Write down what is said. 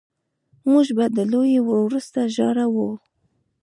موږ به د لوبې وروسته ژاړو